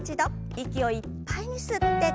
息をいっぱいに吸って。